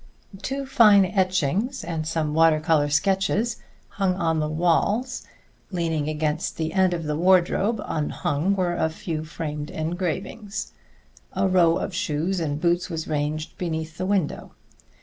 Two fine etchings and some water color sketches hung on the walls; leaning against the end of the wardrobe, unhung, were a few framed engravings. A row of shoes and boots was ranged beneath the window.